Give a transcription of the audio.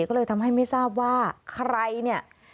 ก็เลยทำให้ไม่ทราบว่าใครเนี่ย